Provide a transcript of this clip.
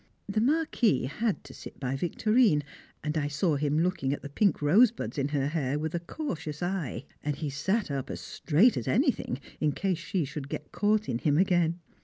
The Marquis had to sit by Victorine, and I saw him looking at the pink rosebuds in her hair with a cautious eye; and he sat up as straight as anything in case she should get caught in him again.